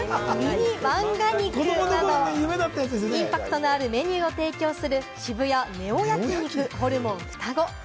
ミニマンガ肉など、インパクトのあるメニューを提供する渋谷ネオ焼肉・ホルモンふたご。